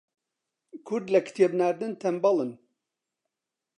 کورد لە کتێب ناردن تەنبەڵن